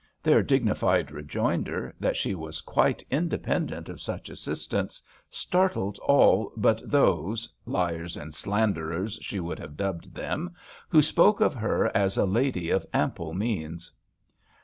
Their dignified rejoinder, that she was quite in dependent of such assistance, startled all but those — ^liars and slanderers she would HAMPSHIRE VIGNETTES have dubbed them — who spoke of her as a lady of ample means.